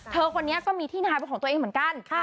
คนนี้ก็มีที่นายเป็นของตัวเองเหมือนกัน